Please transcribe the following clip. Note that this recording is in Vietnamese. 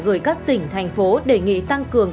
gửi các tỉnh thành phố đề nghị tăng cường